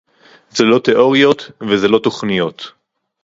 זה לא תיאוריות, וזה לא תוכניות